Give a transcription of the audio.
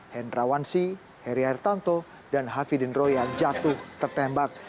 hendra wansi heria ertanto dan hafidin roya jatuh tertembak